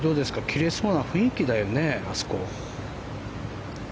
切れそうな雰囲気だよねあそこ。